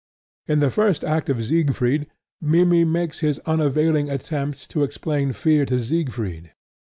In the first act of Siegfried, Mimmy makes his unavailing attempt to explain fear to Siegfried.